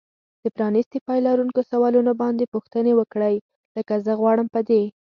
د پرانیستي پای لرونکو سوالونو باندې پوښتنې وکړئ. لکه زه غواړم په دې